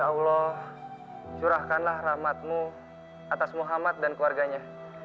allah curahkanlah rahmatmu atas muhammad dan keluarganya